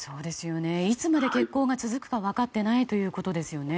いつまで欠航が続くか分かっていないということですよね。